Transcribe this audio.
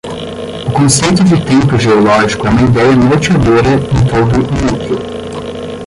O conceito de tempo geológico é uma ideia norteadora em todo o núcleo.